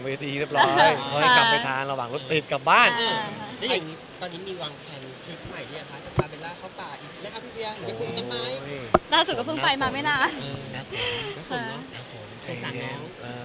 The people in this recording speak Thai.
หน้าฝนเนอะในฝนสักเนี้ยวหน้าฝนอืม